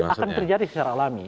akan terjadi secara alami